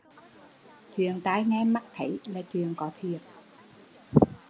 Chuyện tai nghe mắt thấy là chuyện có thiệt